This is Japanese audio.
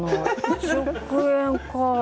１億円か。